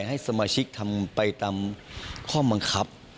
ให้สมาชิกทำไปตามข้อบังคับ